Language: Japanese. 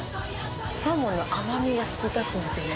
サーモンの甘みが引き立つんですよね。